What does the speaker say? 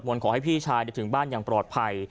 ขอให้พี่ชายถึงบ้านอย่างปลอดภัย